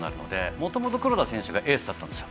もともと黒田選手がエースだったんですよ。